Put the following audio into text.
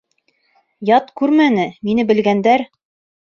Ят күрмәне мине белгәндәр.